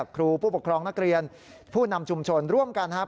ครูผู้ปกครองนักเรียนผู้นำชุมชนร่วมกันครับ